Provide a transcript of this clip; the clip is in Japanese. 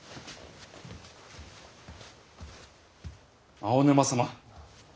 青沼様！